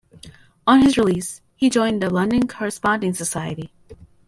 On his release he joined the London Corresponding Society.